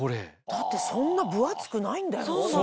だってそんな分厚くないんだよ。